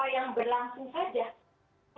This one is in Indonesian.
saya melihatnya dalam konteks indonesia ya